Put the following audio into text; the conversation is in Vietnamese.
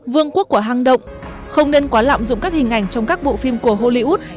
vương quốc của hang động không nên quá lạm dụng các hình ảnh trong các bộ phim của hollywood